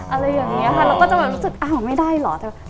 อะไรอย่างนี้ค่ะเราก็จะแบบรู้สึกอ้าวไม่ได้เหรอ